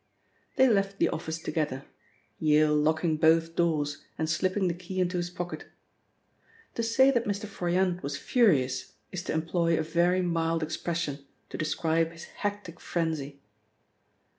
They left the office together, Yale locking both doors and slipping the key into his pocket. To say that Mr. Froyant was furious is to employ a very mild expression to describe his hectic frenzy.